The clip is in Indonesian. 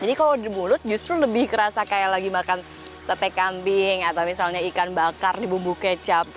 jadi kalau di mulut justru lebih kerasa kayak lagi makan tetek kambing atau misalnya ikan bakar di bumbu kecap